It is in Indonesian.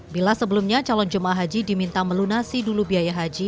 bila sebelumnya calon jemaah haji diminta melunasi dulu biaya haji